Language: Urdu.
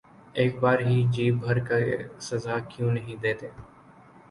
اک بار ہی جی بھر کے سزا کیوں نہیں دیتے